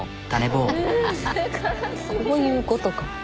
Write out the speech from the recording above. こういうことか。